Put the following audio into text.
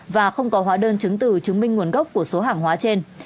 và không có hóa đơn chứng từ chứng minh nguồn gốc của số hàng hóa trên